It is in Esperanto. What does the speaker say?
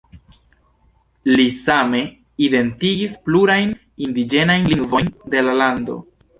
Li same identigis plurajn indiĝenajn lingvojn de la lando.